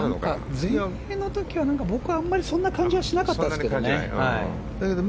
全英の時は、僕はあんまりそんな感じはしなかったんですけどね。